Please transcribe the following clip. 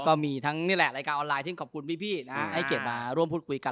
ก็มีทั้งนี่แหละรายการออนไลน์ที่ขอบคุณพี่นะให้เกียรติมาร่วมพูดคุยกัน